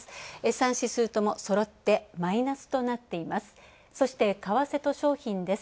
３指数ともそろってマイナスとなっています。